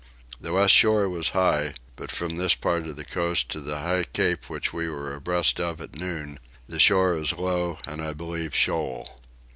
The west shore was high; but from this part of the coast to the high cape which we were abreast of at noon the shore is low and I believe shoal.